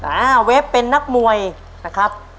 อ่าเวฟเป็นนักมวยนะครับ